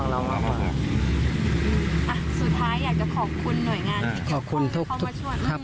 อะสุดท้ายอยากจะขอบคุณหน่วยงาน